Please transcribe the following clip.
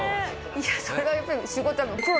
いやそれはやっぱり仕事は。